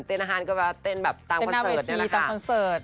เต้นอาหารก็เปล่าเต้นแบบตามคอนเสิร์ตเนี่ยนะคะ